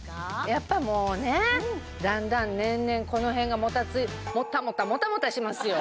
やっぱもうねだんだん年々この辺がもたついもたもたもたもたしますよ